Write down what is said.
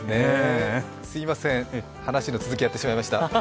すみません、話の続きをやってしまいました。